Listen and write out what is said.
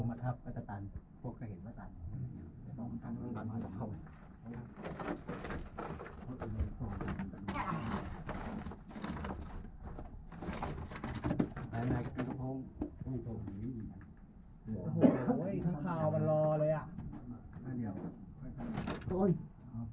อ่าอ่าอ่าอ่าอ่าอ่าอ่าอ่าอ่าอ่าอ่าอ่าอ่าอ่าอ่าอ่าอ่าอ่าอ่าอ่า